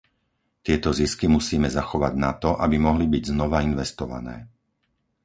Tieto zisky musíme zachovať na to, aby mohli byť znova investované.